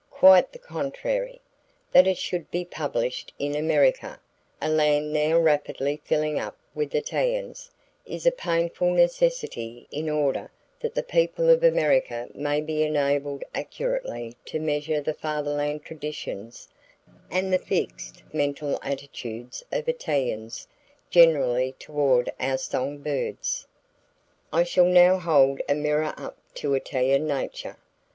Quite the contrary. That it should be published in America, a land now rapidly filling up with Italians, is a painful necessity in order that the people of America may be enabled accurately to measure the fatherland traditions and the fixed mental attitude of Italians generally toward our song birds. I shall now hold a mirror up to Italian nature.